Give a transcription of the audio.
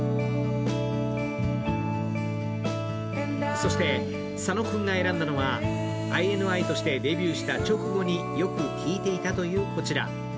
そして佐野君が選んだのはＩＮＩとしてデビューした直後によく聴いていたというこちら。